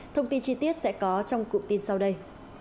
thông tin chi tiết sẽ có trong cụm tin sau đây